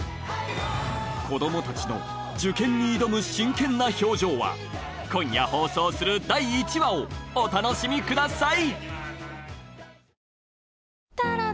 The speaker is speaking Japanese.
子供たちの受験に挑む真剣な表情は今夜放送する第１話をお楽しみください！